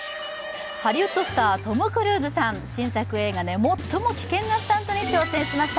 ハリウッドスター、トム・クルーズさん、新作映画で最も危険なスタントに挑戦しました。